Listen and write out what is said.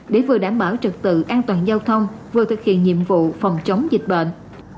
để vừa đảm bảo trực tự an toàn giao thông vừa thực hiện nhiệm vụ phòng chống dịch bệnh